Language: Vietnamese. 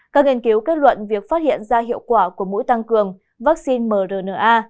các nghiên cứu kết luận việc phát hiện ra hiệu quả của mũi tăng cường vaccine mrna